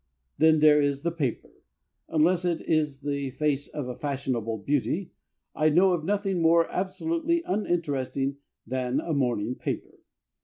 Then there is the paper. Unless it is the face of a fashionable beauty, I know of nothing more absolutely uninteresting than a morning paper.